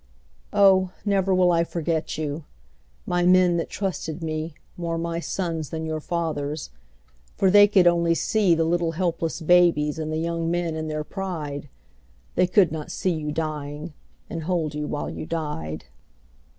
Oh, never will I forget you, My men that trusted me. More my sons than your fathers'. For they could only see The little helpless babies And the young men in their pride. They could not see you dying. And hold you while you died.